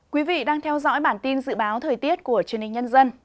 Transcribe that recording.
quý vị đang theo dõi bản tin dự báo thời tiết của truyền hình nhân dân